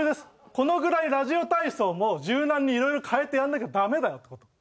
このぐらいラジオ体操も柔軟にいろいろ変えてやらなきゃダメだよって事。